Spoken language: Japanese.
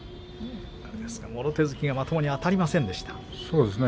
もろ手突きがまともにあたりませんでした。